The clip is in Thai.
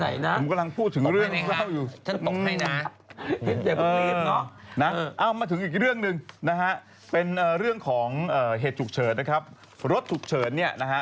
อย่าพึ่งรีบไปไหนนะ